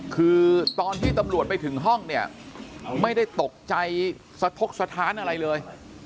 คือตอนที่ตำรวจไปถึงห้องเนี่ยไม่ได้ตกใจสะทกสถานอะไรเลย